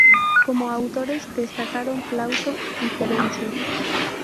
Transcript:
Como autores destacaron Plauto y Terencio.